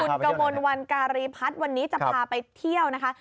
คุณกมลวันการีพัฒน์วันนี้จะพาไปเที่ยวนะคะ